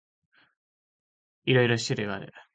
いろいろ種類がある。